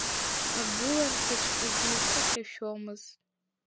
Агыларҭаҵәҟьагьы уԥыхьашәомызт.